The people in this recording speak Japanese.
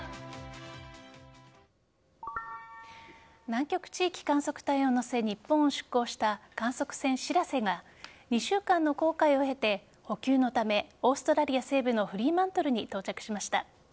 南極地域観測隊を乗せ日本を出航した観測船「しらせ」が２週間の航海を経て補給のためオーストラリア西部のフリーマントルに到着しました。